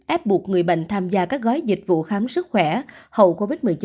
ép buộc người bệnh tham gia các gói dịch vụ khám sức khỏe hậu covid một mươi chín